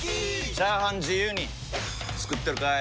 チャーハン自由に作ってるかい！？